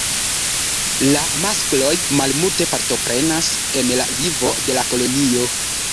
La maskloj malmulte partoprenas en la vivo de la kolonio.